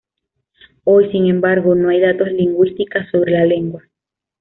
Hoy, sin embargo, no hay datos lingüística sobre la lengua.